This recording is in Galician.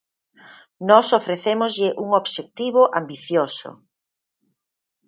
Nós ofrecémoslle un obxectivo ambicioso.